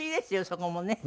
そこもね。